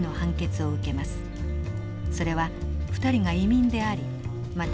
それは２人が移民でありまた